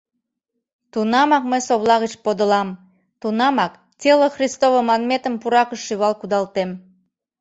Тунамак мый совла гыч подылам, тунамак «тело христово» манметым пуракыш шӱвал кудалтем.